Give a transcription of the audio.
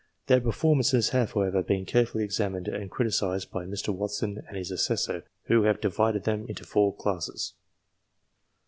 Their performances have, however, been carefully examined and criticised by Mr. Watson and his assessor, who have divided them into four classes.